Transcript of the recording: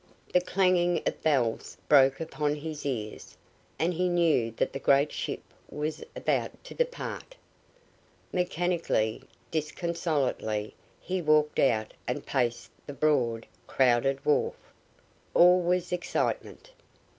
The clanging of bells broke upon his ears and he knew that the great ship was about to depart. Mechanically, disconsolately he walked out and paced the broad, crowded wharf. All was excitement.